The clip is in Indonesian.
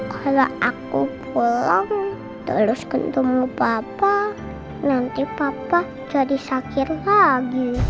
kalau aku pulang terus ketemu papa nanti papa jadi sakit lagi